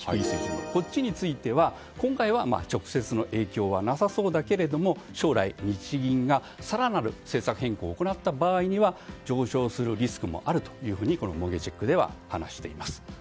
こっちについては今回は直接の影響はなさそうだけれども将来、日銀が更なる政策変更を行った場合には上昇するリスクもあるとこのモゲチェックでは話しています。